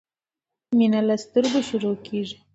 مينه له سترګو شروع کیږی